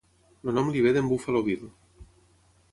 El nom li ve d'en Buffalo Bill.